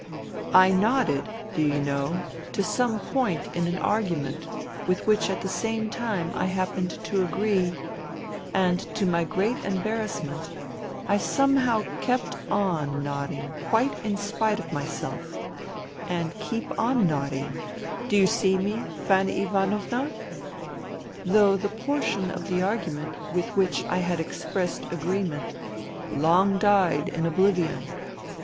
I nodded, do you know, to some point in an argument with which at the time I happened to agree, and to my great embarrass ment I somehow kept on nodding quite in spite of myself, and keep on nodding — do you see me, Fanny Ivanovna ?— ^though the portion of the argument with which I had expressed agreement long died in oblivion.